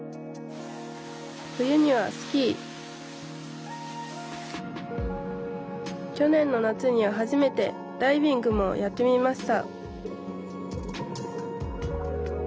冬にはスキー去年の夏には初めてダイビングもやってみました！